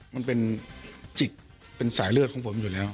มันเป็นจิกเป็นสายเลือดของผมอยู่แล้ว